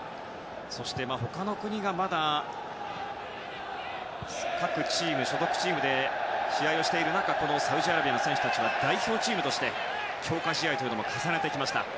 そして、他の国がまだ各所属チームで試合をしている中サウジアラビアの選手たちは代表チームとして強化試合を重ねてきました。